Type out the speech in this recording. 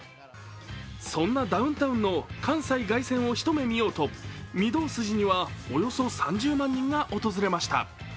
そんなダウンタウンの関西凱旋をひと目見ようと御堂筋には、およそ３０万人が訪れました。